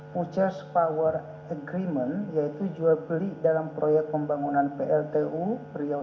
putures power agreement yaitu jual beli dalam proyek pembangunan pltu riau